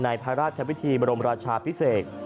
พระราชวิธีบรมราชาพิเศษ